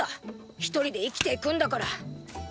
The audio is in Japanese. ひとりで生きていくんだから！